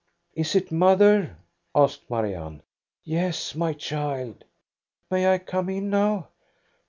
" Is it mother?" asked Marianne. " Yes, my child." " May I come in now?"